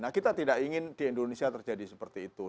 nah kita tidak ingin di indonesia terjadi seperti itu